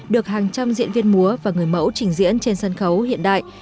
được hàng trăm diễn viên múa và người mẫu trình diễn trên sân khấu hiện đại